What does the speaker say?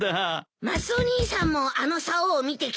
マスオ兄さんもあのさおを見てきたの？